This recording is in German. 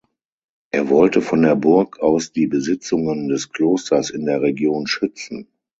Er wollte von der Burg aus die Besitzungen des Klosters in der Region schützen.